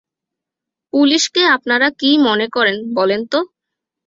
পুলিশকে আপনারা কী মনে করেন বলেন তো?